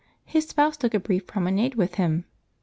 jpg} His spouse took a brief promenade with him.